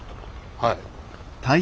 はい？